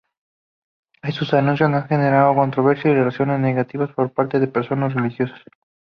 Estos anuncios han generado controversia y reacciones negativas por parte de personas religiosas.